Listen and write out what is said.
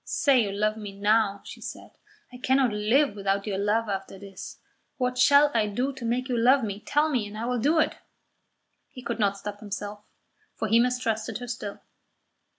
"Say you love me now," she said. "I cannot live without your love after this. What shall I do to make you love me? Tell me, and I will do it." He could not stop himself, for he mistrusted her still.